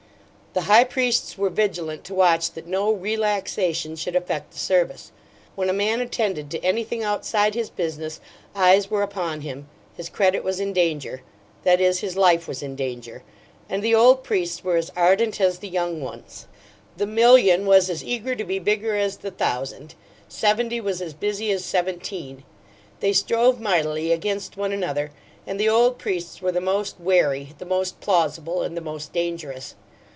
The high priests were vigilant to watch that no "relaxation" should affect the service. When a man attended to anything outside his business, eyes were upon him; his credit was in danger that is, his life was in danger. And the old priests were as ardent as the young ones; the million was as eager to be bigger as the thousand; seventy was as busy as seventeen. They strove mightily against one another, and the old priests were the most wary, the most plausible, and the most dangerous.